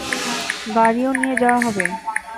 গাড়িও নিয়ে যাওয়া হবে।